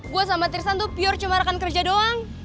gue sama trisan tuh pure cuma rekan kerja doang